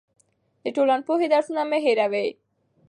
د ټولنپوهنې درسونه مه هېروئ.